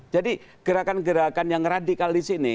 jadi gerakan gerakan yang radikal disini